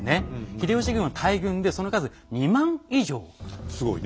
秀吉軍は大軍でその数２万以上。